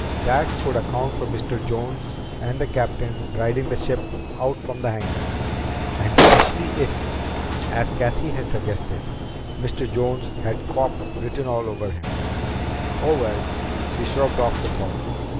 That could account for Mr. Jones and the captain riding the ship out from the hangar. And especially if, as Cathy had suggested, Mr. Jones had "cop" written all over him. Oh, well ! She shrugged off the thought.